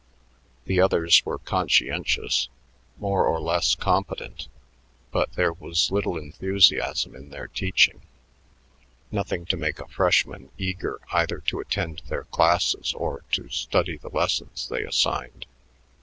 The others were conscientious, more or less competent, but there was little enthusiasm in their teaching, nothing to make a freshman eager either to attend their classes or to study the lessons they assigned.